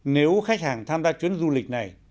nếu khách hàng tham gia chuyến du lịch này